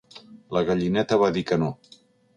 La gallineta va dir que no.